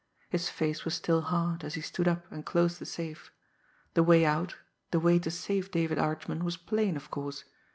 His face was still hard, as he stood up and closed the safe. The way out, the way to save David Archman was plain, of course.